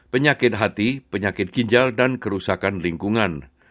penyakit hati penyakit ginjal dan kerusakan lingkungan